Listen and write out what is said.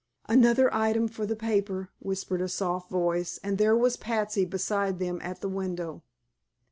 "Another item for the paper," whispered a soft voice, and there was Patsy beside them at the window.